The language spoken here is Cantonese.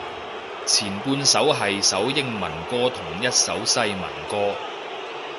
前半係幾首英文歌同一首西文歌